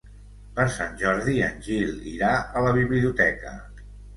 Per Sant Jordi en Gil irà a la biblioteca.